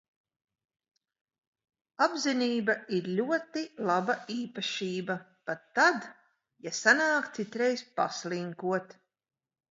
Apzinība ir ļoti laba īpašība pat tad, ja sanāk citreiz paslinkot.